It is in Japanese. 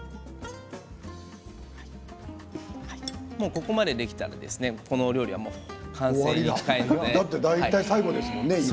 ここまでできたらこのお料理は完成に近いです。